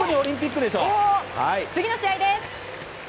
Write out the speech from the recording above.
では、次の試合です。